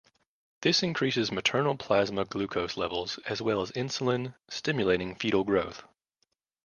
This increases maternal plasma glucose levels as well as insulin, stimulating fetal growth.